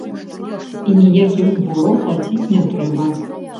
І ніякіх збораў плаціць не трэба.